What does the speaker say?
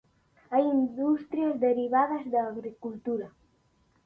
Hai industrias derivadas da agricultura.